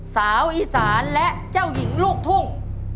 สาวอีสานและเจ้าหญิงลูกทุ่ง